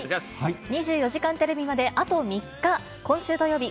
２４時間テレビまであと３日。